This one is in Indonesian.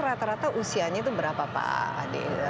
rata rata usianya itu berapa pak ade